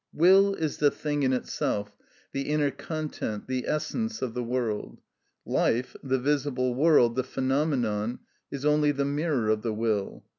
Will is the thing in itself, the inner content, the essence of the world. Life, the visible world, the phenomenon, is only the mirror of the will.